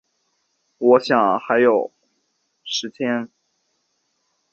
我想说还有时间